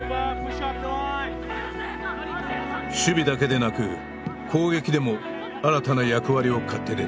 守備だけでなく攻撃でも新たな役割を買って出た。